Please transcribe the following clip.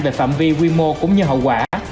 về phạm vi quy mô cũng như hậu quả